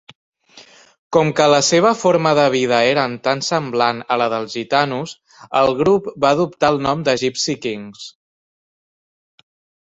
Com que la seva forma de vida eren tan semblant a la dels gitanos, el grup va adoptar el nom de Gipsy Kings.